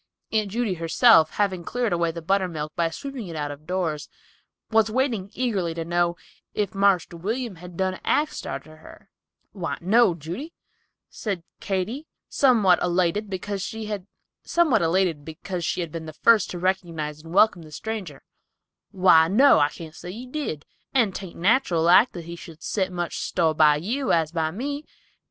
Aunt Judy herself, having cleared away the buttermilk, by sweeping it out of doors, was waiting eagerly to know "if Marster William done axed arter her." "Why, no, Judy," said Katy, somewhat elated because she had been first to recognize and welcome the stranger. "Why, no, I can't say he did, and 'tain't nateral like that he should set so much store by you, as by me.